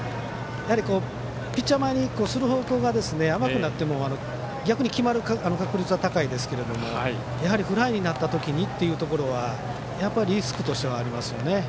やはりピッチャー前にいっても甘くなっても決まる確率は高いですけどやはり、フライになった時にっていうところはリスクとしてはありますよね。